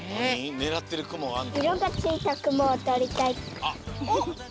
ねらってるくもがあんの？